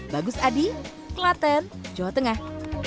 bagus adi klaten jawa tengah